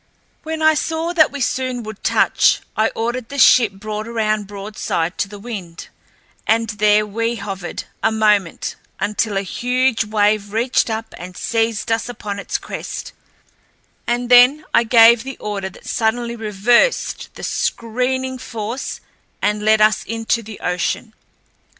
When I saw that we soon would touch, I ordered the ship brought around broadside to the wind, and there we hovered a moment until a huge wave reached up and seized us upon its crest, and then I gave the order that suddenly reversed the screening force, and let us into the ocean.